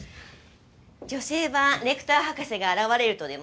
女性版レクター博士が現れるとでも？